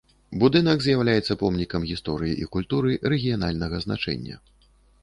Будынак з'яўляецца помнікам гісторыі і культуры рэгіянальнага значэння.